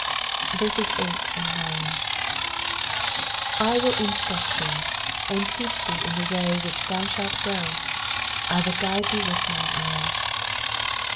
8 I will mstruct thee and teach thee in the way which thou shalt go : I will guide thee with mine eye.